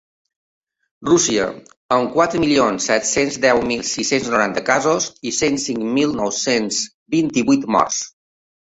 Rússia, amb quatre milions set-cents deu mil sis-cents noranta casos i cent cinc mil nou-cents vint-i-vuit morts.